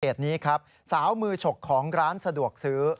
เหตุนี้ครับสาวมือฉกของร้านสะดวกซื้อ